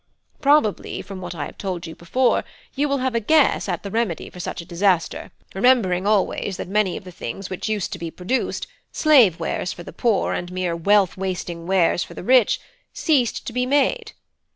Probably, from what I have told you before, you will have a guess at the remedy for such a disaster; remembering always that many of the things which used to be produced slave wares for the poor and mere wealth wasting wares for the rich ceased to be made.